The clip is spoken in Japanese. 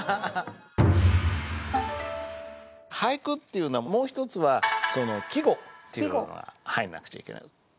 俳句っていうのはもう一つは季語っていうのが入んなくちゃいけない。